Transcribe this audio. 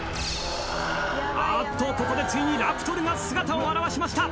あーっとここでついにラプトルが姿を現しました